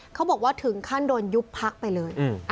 เขาบอกว่าถึงขั้นโดนยุบพักไปเลย